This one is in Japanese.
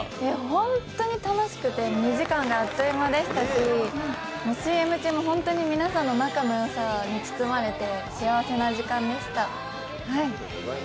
本当に楽しくて２時間があっという間でしたしＣＭ中も皆さんの仲の良さに包まれて幸せな時間でした。